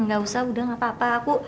nggak usah udah gak apa apa aku